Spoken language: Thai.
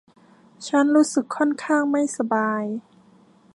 ฉันรู้สึกค่อนข้างไม่สบาย